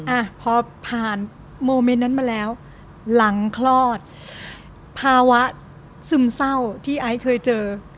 อ่ะพอผ่านโมเมนต์นั้นมาแล้วหลังคลอดภาวะซึมเศร้าที่ไอซ์เคยเจอ